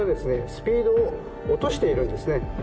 スピードを落としているんですね。